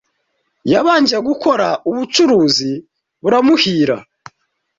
yabanje gukora ubucuruzi buramuhira